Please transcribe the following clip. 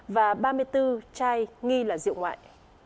và ba mươi bốn chai nghi là rượu ngoại